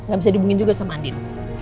gak bisa dihubungin juga sama andin